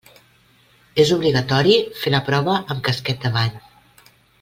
És obligatori fer la prova amb casquet de bany.